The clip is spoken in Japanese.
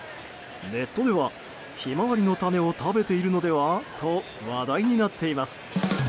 ネットでは、ヒマワリの種を食べているのでは？と話題になっています。